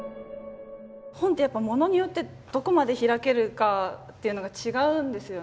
本ってやっぱ物によってどこまで開けるかっていうのが違うんですよね。